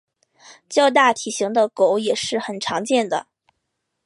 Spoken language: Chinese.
较大体型的狗也是很常见的。